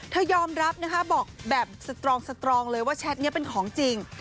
ยอมรับนะคะบอกแบบสตรองสตรองเลยว่าแชทนี้เป็นของจริง